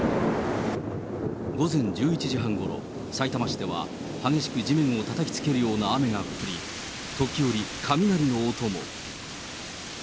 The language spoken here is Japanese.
午前１１時半ごろ、さいたま市では激しく地面をたたきつけるような雨が降り、時折、雷の音も。